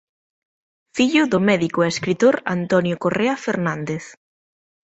Fillo do médico e escritor Antonio Correa Fernández.